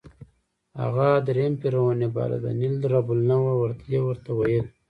هغه درېیم فرعون یې باله، د نېل رب النوع یې ورته ویل.